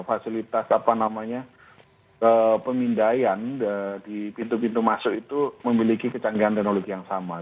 fasilitas apa namanya pemindaian di pintu pintu masuk itu memiliki kecanggihan teknologi yang sama